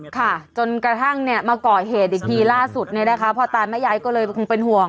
ปล่อยเหตุอีกทีล่าสุดเนี่ยนะคะพอตามไม่ย้ายก็เลยคงเป็นห่วง